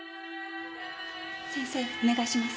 先生お願いします。